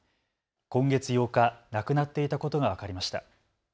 今月８日、亡くなっていたことが分かりました。